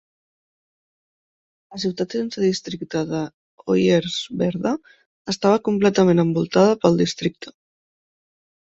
La ciutat sense districte de Hoyerswerda estava completament envoltada pel districte.